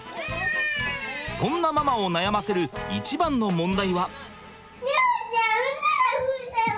そんなママを悩ませる一番の問題は。